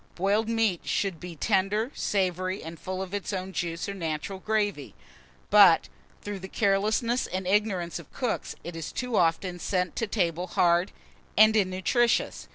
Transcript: Boiled meat should be tender, savoury, and full of its own juice, or natural gravy; but, through the carelessness and ignorance of cooks, it is too often sent to table hard, tasteless, and innutritious.